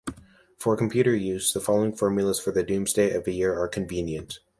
For computer use, the following formulas for the doomsday of a year are convenient.